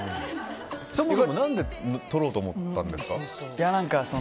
そもそも何で撮ろうと思ったんですか？